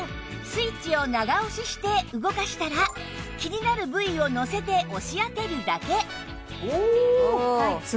スイッチを長押しして動かしたら気になる部位をのせて押し当てるだけ